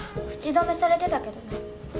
口止めされてたけどね。